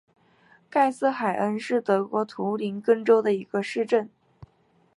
盖森海恩是德国图林根州的一个市镇。